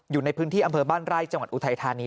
อยู่ในพื้นที่อำเภอบ้านไร่จังหวัดอุทัยธานี